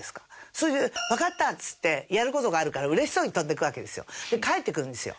それで「わかった」っつってやる事があるから嬉しそうに飛んでいくわけですよ。で帰ってくるんですよ。